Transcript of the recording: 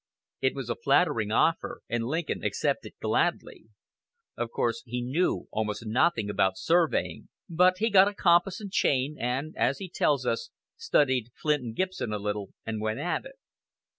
It was a flattering offer, and Lincoln accepted gladly. Of course he knew almost nothing about surveying, but he got a compass and chain, and, as he tells us, "studied Flint and Gibson a little, and went at it."